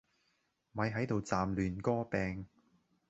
咪係度劖亂歌柄